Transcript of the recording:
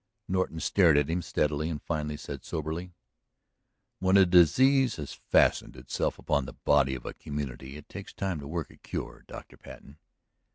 Norton stared at him steadily and finally said soberly: "When a disease has fastened itself upon the body of a community it takes time to work a cure, Dr. Patten."